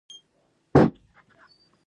بیا به کله وینم؟